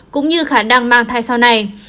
cũng như khả năng mang thai sau này